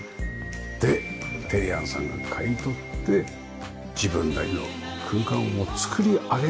でテリアンさんが買い取って自分なりの空間を作り上げるという事ですが。